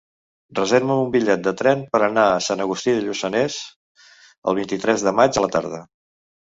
Reserva'm un bitllet de tren per anar a Sant Agustí de Lluçanès el vint-i-tres de maig a la tarda.